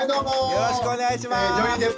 よろしくお願いします。